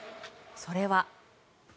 それは。